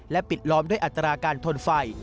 ปิดล้อมด้วยอัตราการทนไฟ